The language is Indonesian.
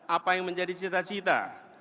apa yang menjadi cita cita